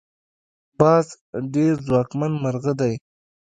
باز ډیر ځواکمن مرغه دی